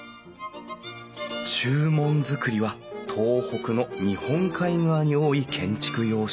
中門造りは東北の日本海側に多い建築様式。